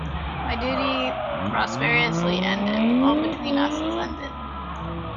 My duty prosperously ended, all between us is ended.